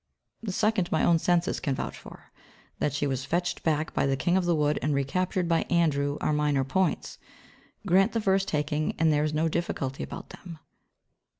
The second my own senses can vouch for. That she was fetched back by the King of the Wood and recaptured by Andrew are minor points. Grant the first taking and there is no difficulty about them.